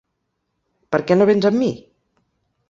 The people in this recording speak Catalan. Per què no véns amb mi?